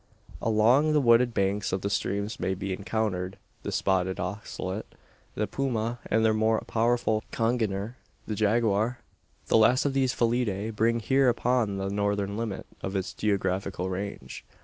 Along the wooded banks of the streams may be encountered the spotted ocelot, the puma, and their more powerful congener, the jaguar; the last of these felidae being here upon the northern limit of its geographical range.